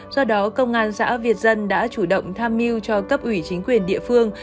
do đó công an xã việt dân đã chủ động tham mưu cho cấp ủy chính quyền địa phương